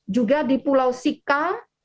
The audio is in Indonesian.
juga di pulau sika